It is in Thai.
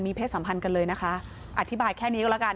เพศสัมพันธ์กันเลยนะคะอธิบายแค่นี้ก็แล้วกัน